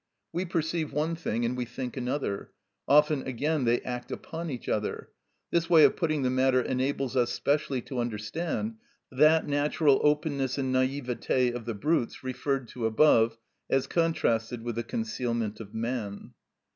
We perceive one thing, and we think another. Often, again, they act upon each other. This way of putting the matter enables us specially to understand that natural openness and naivete of the brutes, referred to above, as contrasted with the concealment of man.